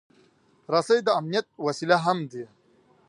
رسۍ د امنیت وسیله هم ده.